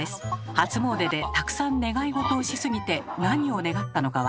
初詣でたくさん願い事をしすぎて何を願ったのか忘れました。